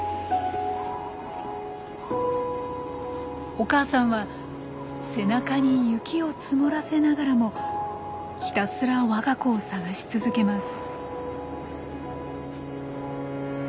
お母さんは背中に雪を積もらせながらもひたすら我が子を捜し続けます。